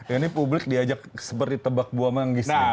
ini publik diajak seperti tebak buah manggis